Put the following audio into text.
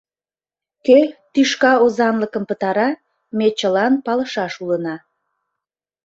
Кӧ тӱшка озанлыкым пытара — ме чылан палышаш улына.